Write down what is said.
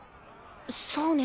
そうね。